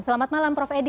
selamat malam prof edi